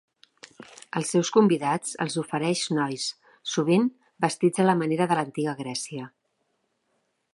Als seus convidats els ofereix nois, sovint vestits a la manera de l'antiga Grècia.